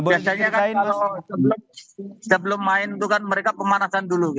biasanya kan kalau sebelum main itu kan mereka pemanasan dulu